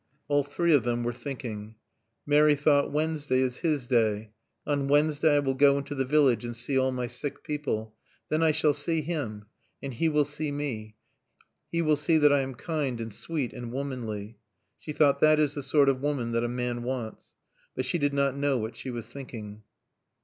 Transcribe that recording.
All three of them were thinking. Mary thought, "Wednesday is his day. On Wednesday I will go into the village and see all my sick people. Then I shall see him. And he will see me. He will see that I am kind and sweet and womanly." She thought, "That is the sort of woman that a man wants." But she did not know what she was thinking.